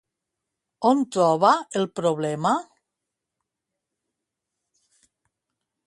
On troba el problema?